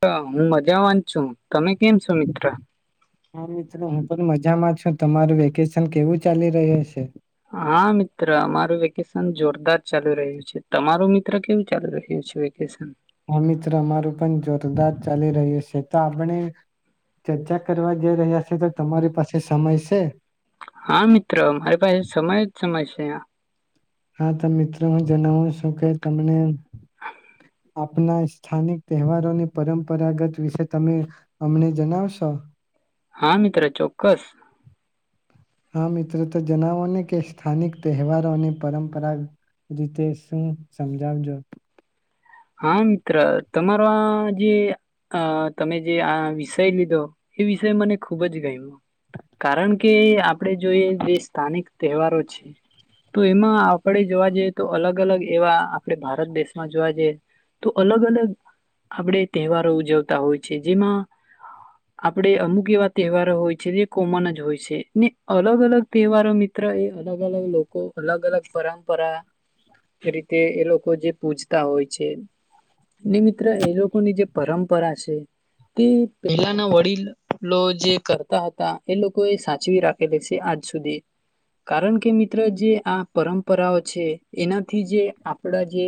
હ હું મજામાં જ છુ. તમે કેમ છો મિત્ર? હા મિત્રો હું પણ મજામાં છું તમારું વેકેશન કેવું ચાલી રહ્યું છે? હા મિત્ર અમારું વેકેશન જોરદાર ચાલુ રહ્યું છે તમારું મિત્ર કેવું ચાલુ રહ્યું છે વેકેશન? આ મિત્ર અમારું પણ જોરદાર ચાલી રહ્યું છે તો આપણે ચર્ચા કરવા જઈ રહ્યા. તો તમારી પાસે સ સમય છે? હા મિત્રો મારી પાસે સમય જ સમય છે. હા તો મિત્રો હું જણાવું છું કે તમને આપના સ્થાનિક તહેવારોની પરંપરાગત વિશે તમે અમને જણાવશો. હા મિત્ર ચોક્કસ. હા મિત્રો તો જાણવો ને કે સ્થાનિક તહેવારોની પરંપરા રીતે શું સમજાવજો? હા મિત્ર તમારો આ જે તમે જે આ વિષય લીધો, એ વિષય મને ખુબ જ ગમ્યો, કારણ કે આપણે જોઈએ જે સ્થાનિક તહેવારો છે, તો એમાં આપણે જોવા જઈએ તો અલગ અલગ એવા આપણે ભારત દેશમાં જોવા જઈએ. તો અલગ અલગ આપણે તહેવારો ઉજવતા હોય છે જેમાં, આપણેે અમુક એવા તહેવારો હોય છે જે કોમન જ હોય છે ને અલગ અલગ તહેવારો મિત્ર એ અલગ અલગ લોકો અલગ અલગ પરંપરા, રીતે એ લોકો જે પૂજતા હોય. છે, ને મિત્ર એ લોકોની જે પરંપરા છે, તે પહેલાના વડીલો જે કરતા હતા એ લોકો એ સાચવી રાખેલા છે આજ સુધી, કારણ કે મિત્ર જે આ પરંપરાઓ છે એનાથી જે આપડા જે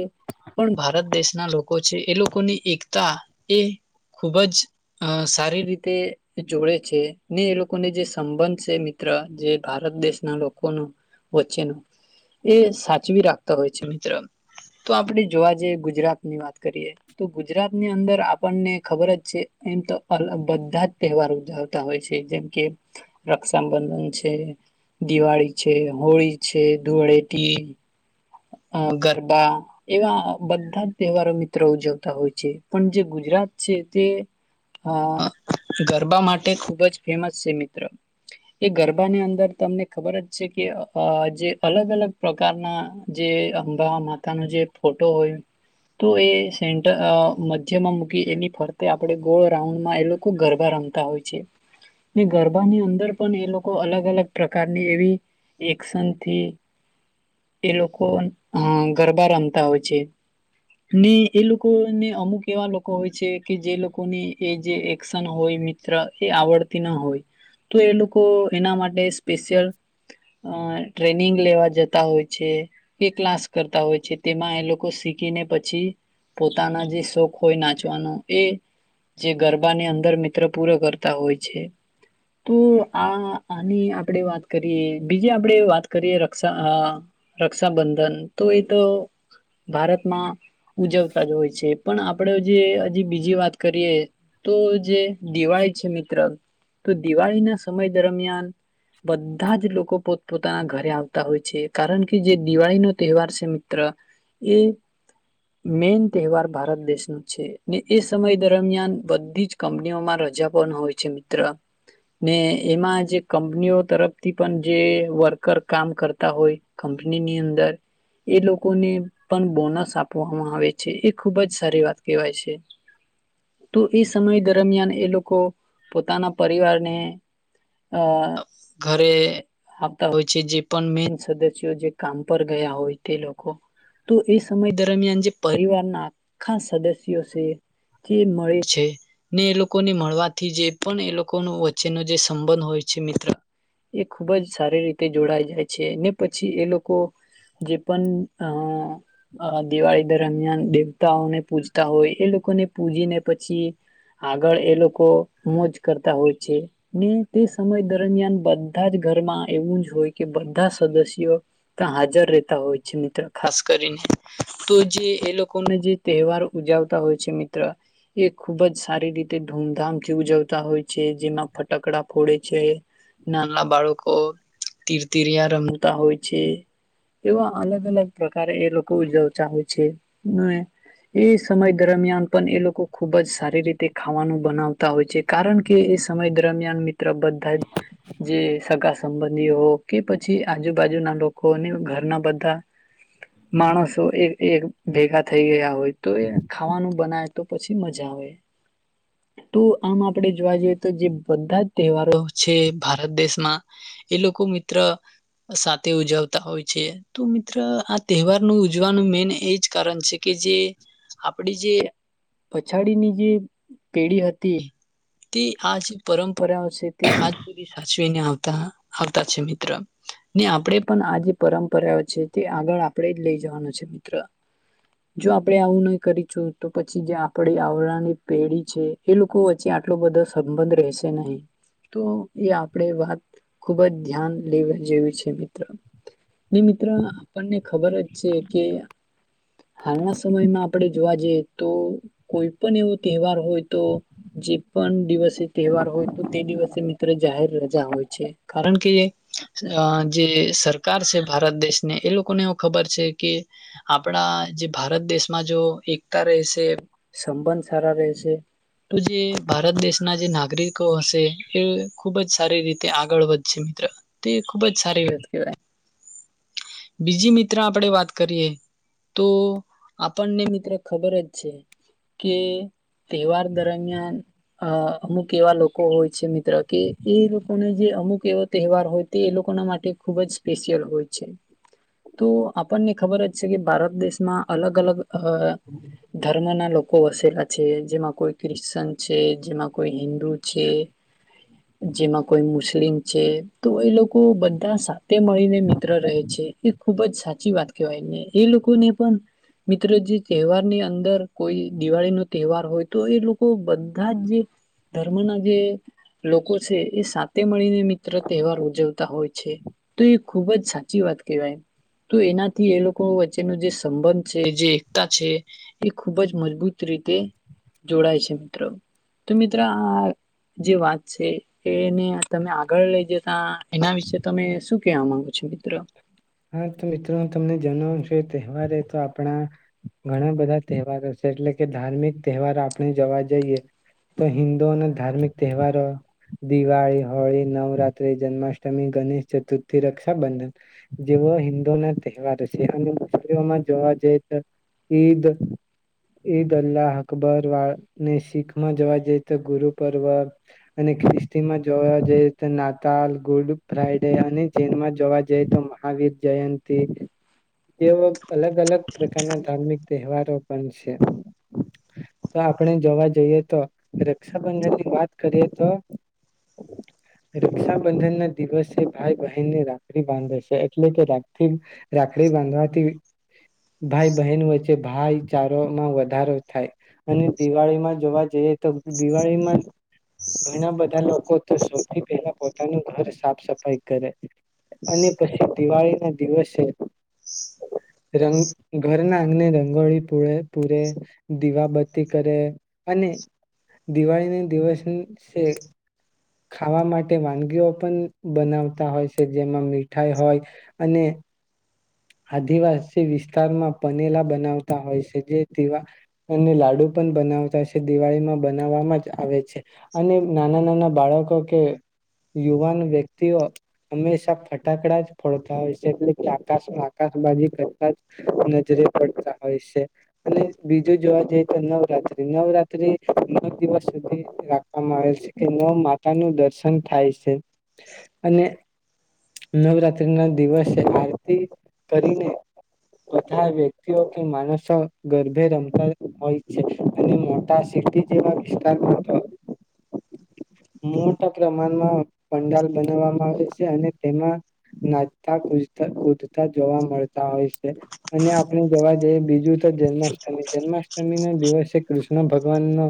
ભારત દેશના લોકો છે એ લોકો લોકોની એકતા એ ખૂબ જ સારી રીતે જોડે છે ને એ લોકોને જે સંબંધ છે મિત્ર, જે ભારત દેશના લોકોનો વચ્ચેનો, એ સાચવી રાખતા હોય છે મિત્ર, તો આપણે જોવા જઈએ ગુજરાત ની વાત કરીએ તો ગુજરાતની અંદર આપણને ખબર જ છે એમ તો અ બધા જ તહેવાર ઉજવતા હોય છે જેમ કે, રક્ષાબંધન છે, દિવાળી છે, હોળી છે, ધૂળેટી. હા ગરબા. એવા બધા જ તહેવારો મિત્રો ઉજવતા હોય. છે પણ જે ગુજરાત છે તે અ ગરબા માટે ખુબ જ ફેમસ છે મિત્ર, એ ગરબાની અંદર તમને ખબર જ છે કે જે અલગ અલગ પ્રકારના જે અંબા માતા નો જે ફોટો હોય તો એ સેર મધ્યમાં મૂકી એની ફરતે આપણે ગોળ રાઉન્ડમાં એ લોકો ગરબા રમતા હોય છે, ગરબાની અંદર પણ એ લોકો અલગ અલગ પ્રકારની એવી એશનથી એ લોકો ગરબા રમતા હોય છે, ને એ લોકોને અમુક એવા લોકો હોય છે કે જે લોકોને એ જે એક્શન હોય મિત્ર એ આવડતી ના હોય, તો એ લોકો એના માટે સ્પેશિયલ ટ્રેનિંગ લેવા જતા હોય. છે. એ ક્લાસ કરતા હોય છે, તેમાં એ લોકો શીખીને પછી પોતાના જે શોખ હોય નાચવાનો, એ જે ગરબાને અંદર મિત્ર પૂરો કરતા હોય છે. તો આ આની આપણે વાત કરીએ, બીજી આપણેે વાત કરીએ રક્ષા અહ રક્ષાબંધન તો એ તો ભારતમાં ઉજવતા જ હોય છે, પણ આપણો જે હજી બીજી વાત કરીએ તો જે દિવાળી છે મિત્ર તો દિવાળી ના સમય દરમિયાન બધા જ લોકો પોત પોતાના ઘરે આવતા હોય છે. કારણ કે જે દિવાળીનો તહેવાર છે મિત્ર, એ મેઈન તહેવાર ભારત દેશ નો છે, ને એ સમય દરમિયાન બધી જ કંપનીઓમાં રજા પણ હોય છે મિત્ર. ને એમાં જે કંપનીઓ તરફથી પણ જે વર્કર કામ કરતા હોય કંપનીની અંદર, એ લોકોને પણ બોનસ આપવામાં આવે છે, એ ખુબ જ સારી વાત કહેવાય છે. તો એ સમય દરમિયાન એ લોકો પોતાના પરિવારને અહ ઘરે આપતા હોય છે, જે પણ મેન સદસ સ્ય જે કામ પર ગયા હોય તે લોક કો, તો એ સમય દરમિયાન જે પરિવારના આખા સદસ્યો છે, જે મળે છે, ને એ લોકોને મળવાથી જે પણ એ લોકોનું વચ્ચેનો જે સંબંધ હોય છે મિત્ર, એ ખૂબ જ સારી રીતે જોડાય જાય છે ને પછી એ લોકો જે પણ અહ-અહ દિવાળી દરમિયાન દેવતાઓને પૂજતા હોય, એ લોકોને પૂજીને પછી આગળ એ લોકો મોજ કરતા હોય છે, ને તે સમય દરમિયાન બધા જ ઘરમાં એવું જ હોય કે બધા સદસ્ય યો તા હાજર રહેતા હોય છે મિત્ર ખાસ કરીને, તો જે એ લોકોને જે તહેવાર ઉજવતા હોય છે મિત્ર, એ ખુબ જ સારી રીતે ધૂમધામથી ઉજવતા હોય છે, જેમાં ફટાકડા ફોડે છે, નાના બાળકો તીરતીરીયા રમ તા હોય છે, એવા અલગ-અલગ પ્રકારે એ લોકો ઉજવતા હોય છે, અને એ સમય દરમિયાન પણ એ લોકો ખુબ જ સારી રીતે ખાવાનું બનાવતા હોય છે, કારણ કે એ સમય દરમિયાન મિત્ર બધા જ જે સગા સંબંધીઓ કે પછી આજુબાજુના લોકો અને ઘરના બધા માણસો એ એક ભેગા થઈ ગયા હોય, તો એ ખાવાનું બનાયે તો પછી મજા આવે, તો આમ આપણે જોવા જઈએ તો જે બધા જ તહેવારો છે ભારત દેશમાં એ લોકો મિત્ર સાથે ઉજવતા હોય છે. તો મિત્ર આ તહેવાર નું ઉજવાનું મેન એજ કારણ છે કે જે આપણી જે પછાડીની જે પેઢી હતી તે આ જ પરંપ પર્યા છે તે આજ સુધી સાચવીને આવતા આવતા છે મિત્ર. મીત્ર. ને આપણે પણ આ જે પરંપરાઓ છે તે આગળ આપણેે જ લઈ જવાનું છે મિત્ર, જો આપણેે આવું નહી કરીશું તો પછી જે આપડી આવનાની પેઢી છે એ લોકો વચ્ચે આટલો બધો સંબંધ રહેશે નહીં, તો એ આપણે વાત ખુબ જ ધ્યાન લેવા જેવી છે. મિત્ર આપણને ખબર જ છે કે હાલના સમયમાં આપણે જોવા જઈએ તો કોઈ પણ એવો તહેવાર હોય તો જે પણ દિવસે તહેવાર હોય તો તે દિવસે મિત્ર જાહેર રજા હોય છે, કારણ કે જે સરકાર છે ભારત દેશને એ લોકોને એવ ખબર છે કે આપણા જે ભારત દેશમાં જો એકતા રહેશે સંબંધ સારા રહેશે તો જે ભારત દેશના જે નાગરિકો હશે એ ખૂબ જ સારી રીતે આગળ વધશે મિત્ર તે ખૂબ જ સારી વાત કહેવાય, બીજી મિત્ર આપડણે વાત કરીએ તો આપણને મિત્ર ખબર જ છે, કે તહેવાર દરમિયાન અ અમુક એવા લોકો હોય છે મિત્ર કે એ લોકોને જે અમુક એવો તહેવાર હોય તે એ લોકો માટે ખૂબ જ સ્પેશિયલ હોય છે, તો આપણને ખબર જ છે કે ભારત દેશમાં અલગ અલગ અ ધર્મ ના લોકો લોકો વસેલા છે જેમાં કોઈ ક્રિશ્ચન છે, જેમાં કોઈ હિન્દુ છે, જેમાં કોઈ મુસ્લિમ છે, તો એ લોકો લોકો બધા સાથે મળીને મિત્ર રહે છે એ ખૂબ જ સાચી વાત કહેવાયને, એ લોકોને પણ મિત્ર જે તહેવાર ની અંદર કોઈ દિવાળી નો તહેવાર હોય તો એ લોકો બધા જ જે ધર્મ ના જે લોકો છે, એ સાથે મળીને મિત્ર તહેવાર ઉજવતા હોય છે, તો એ ખૂબ જ સાચી વાત કહેવાય, તો એનાથી એ લોકો વચ્ચેનો જે સંબંધ છે જે એકતા છે, એ ખૂબ જ મજબૂત રીતે જોડાય છે મિત્રો, તો મિત્રો આ જે વાત છે એને તમે આગળ લઈ જતા એના વિશે તમે શું કેવા માંગો છો? હા તો મિત્રો તમને જણાવનું છું. તહેવાર તો આપણા, ઘણા બધા તહેવારો છે એટલે કે ધાર્મિક તહેવારો આપણે જોવા જઈએ, તો હિન્દુઓના ધાર્મિક તહેવારો દિવાળી હોળી નવરાત્રી જન્માષ્ટમી ગણેશ ચતુર્થી રક્ષાબંધન. જેવો હિન્દુ ના તહેવાર છે અને મુસ્લમમાં જોવા જઈ તો ઈદ ઈદ અલ્લાહ અકબર વાળને શીખ માં જોવા જઈ તો ગુરુ પર્વ અને ખ્રિસ્તીમાં જોવા જઈ તો નાતાલ ગુડ ફ્રાઈડે અને જૈનમાં જોવા જ તો મહાવીર જયંતિ, તેવ અલગ અલગ પ્રકારના ધાર્મિક તહેવારો પણ છે, તો આપણે જોવા જઈએ તો રક્ષાબંધનની વાત કરીએ તો રક્ષાબંધન ના દિવસે ભાઈ બહેનને રા બાંધે છે એટલે કે રા રાખડી બાંધવાથી ભાઈ બહેન વચ્ચે ભાઈચારોમાં વધારો થાય, અને દિવાળીમાં જોવા જઈએ તો દિવાળીમાં ઘણા બધા લોકો તો સોથી પહેલા પોતાનું ઘર સાફ સફાઈ કરે. અને પછી દિવાળી ના દિવસે, રંગ ઘરના આંગને રંગોળી પૂ પૂરે દીવાબત્તી કરે અને દિવાળી ના દિવસ ખાવા માટે વાનગીઓ પણ બનાવતા હોય છે જેમાં મીઠાઈ હોય, અને આદિવાસી વિસ્તારમાં પનેલા બનાવતા હોય છે જે દીવા, અને લાડુ પણ બનાવતા છે દિવાળીમાં બનાવામાં જ આવે છે, અને નાના નાના બાળકો કે યુવાન વ્યક્તિઓ હંમેશા ફટાકડા જ ફોડતા હોય છે એટલે આકાશ બાજી પ્રતા જ નજરે પડતા હોય છે, અને બીજું જોવા જઈએ તો નવરાત્ર્રી નવરાત્ર્રી, નવ દિવસ સુધી રાખવામાં આવેલ છે કે નવ માતા નું દર્શન થાય છે, અને નવરાત્ર્રી ના દિવસે આ કરીને, બધા વ્યક્તિઓ કે માણસો ગર્ભે રમતા હોય છે અને મોટા સિટી જેવા વિસ્તારમાં, મોટા પ્રમાણમાં પંડાલ બનાવવામાં આવે છે અને તેમાં, નાચતા ક તા જોવા મળતા હોય. અને આપણે જવા જે બીજું છે જન્માષ્ટમી જન્માષ્ટમીના દિવસે કૃષ્ણ ભગવાનનો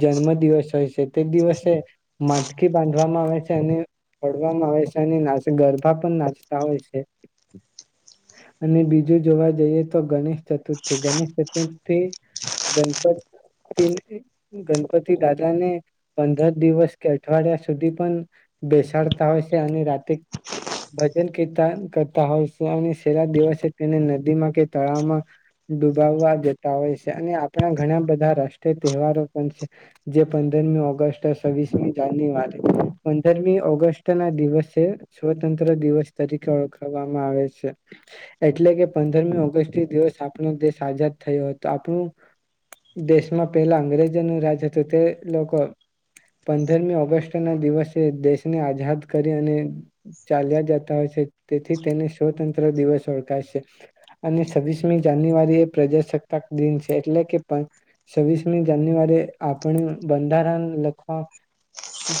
જન્મ દિવસ હોય છે, તે દિવસે માટકી બાંધવામાં આવે છે અને ફડવામાં આવે છે અને ગરભા પણ નાચતા હોય છે. અને બીજું જોવા જઈએ તો ગણેશ ચતુર્થી ગણેશ ચતુર્થી, ગણપતિ ગણપતિ દાદાને પંદર દિવસ કે અઠવાડિયા સુધી પણ બેસાડતા હોય છે અને રાતે ભજનતા કરતા હોય છે. દસે તેને નદીમાં કે તળાવમાં, ડૂબાવવા જતા હોય છે અને આપણા ઘણા બધા રાષ્ટ્રીય તહેવારો પણ છે, જે પંદરમી ઓગસ્ટ છવવીસમી જાન્યુઆરી પંદરમી ઓગસ્ટ ના દિવસે સ્વતંત્ર દિવસ તરીકે ઓળખવામાં આવે છે. એટલે કે પંદરમી ઓગસ્ટ દિવસ આપણો દેશ આઝાદ થયો હતો આપણું દેશમાં પહેલા અંગ્રેજો ન રાજ હતોું તે લોકો પંદરમી ઓગસ્ટ ના દિવસે દેશને આઝાદ કરી અને ચાલ્યા જતા હોય છે તેથી તેને સ્વતંત્ર દિવસ ઓળખાય છે, અને છવ્વીસમી જાન્યુઆરી એ પ્રજાસત્તાક દિન છે એટલે કે છવ્વીસમી જાન્યુઆરી આપણે બંધારણ લખવા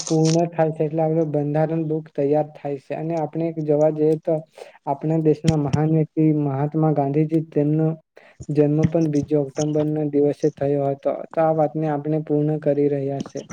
પૂર્ણ થાય છે, એટલે આપણ બંધારણ બુક તૈયાર થાય છે અને આપણે જોવા જઈએ તો. આપણા દેશના મહાન વ્યક્તિ મહાત્મા ગાંધીજી તેમનો જન્મ, પણ બીજો ઓક્ટોમ્બરના દિવસે થયો હતો તો આ વાતને આપણે પૂર્ણ કરી રહ્યા છે.